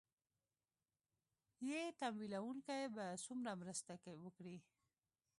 ې تمويلوونکي به څومره مرسته وکړي